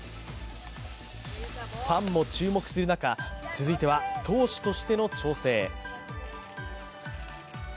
ファンも注目する中続いては投手としての調整。